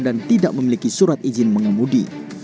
dan tidak memiliki surat izin mengemudi